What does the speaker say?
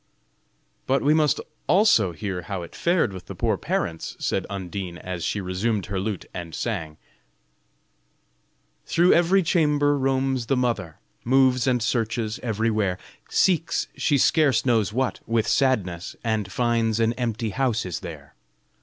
'" "But we must also hear how it fared with the poor parents," said Undine, as she resumed her lute, and sang: Thro' every chamber roams the mother, Moves and searches everywhere, Seeks, she scarce knows what, with sadness, And finds an empty house is there.